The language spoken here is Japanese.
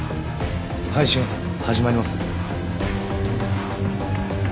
配信始まります。